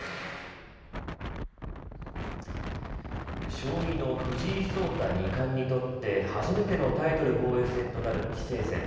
将棋の藤井聡太二冠にとって初めてのタイトル防衛戦となる棋聖戦。